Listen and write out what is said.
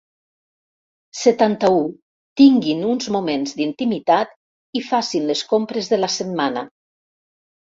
Setanta-u tinguin uns moments d'intimitat i facin les compres de la setmana.